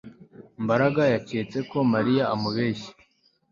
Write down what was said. Mbaraga yaketse ko Mariya amubeshya